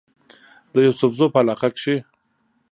د يوسفزو پۀ علاقه کې